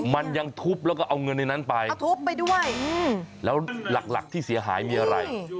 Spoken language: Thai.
มันยังทุบแล้วก็เอาเงินในนั้นไปเอาทุบไปด้วยแล้วหลักหลักที่เสียหายมีอะไร